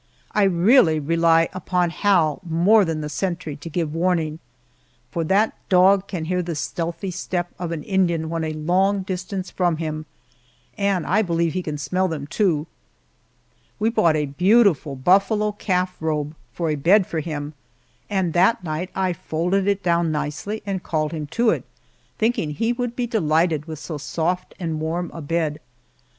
I really rely upon Hal more than the sentry to give warning, for that dog can hear the stealthy step of an Indian when a long distance from him. And I believe he can smell them, too. We bought a beautiful buffalo calf robe for a bed for him, and that night I folded it down nicely and called him to it, thinking he would be delighted with so soft and warm a bed.